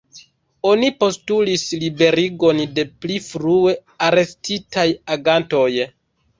Oni postulis liberigon de pli frue arestitaj agantoj.